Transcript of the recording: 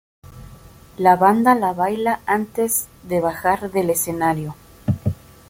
La banda la baila antes de bajar del escenario.